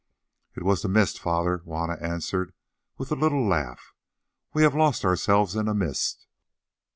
"It was the mist, Father," Juanna answered with a little laugh. "We have lost ourselves in a mist."